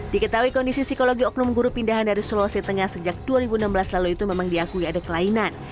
diketahui kondisi psikologi oknum guru pindahan dari sulawesi tengah sejak dua ribu enam belas lalu itu memang diakui ada kelainan